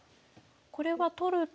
これは取ると。